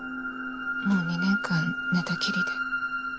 もう２年間寝たきりで。